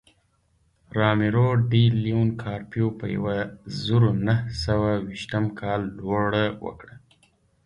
رامیرو ډي لیون کارپیو په یوه زرو نهه سوه نهه ویشتم کال لوړه وکړه.